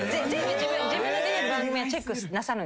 自分の出てる番組はチェックなさるんですか？